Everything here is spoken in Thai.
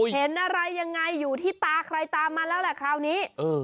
เห็นอะไรยังไงอยู่ที่ตาใครตามมันแล้วแหละคราวนี้